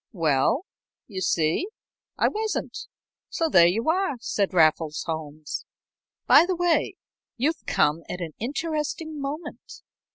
"Well you see, I wasn't, so there you are," said Raffles Holmes. "By the way, you've come at an interesting moment.